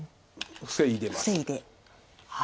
防いでます。